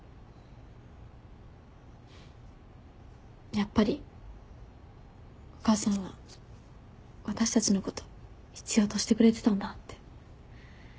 やっぱりお母さんは私たちのこと必要としてくれてたんだって。